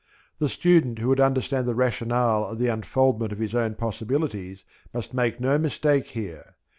The student who would understand the rationale of the unfoldment of his own possibilities must make no mistake here.